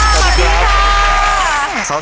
สวัสดีมา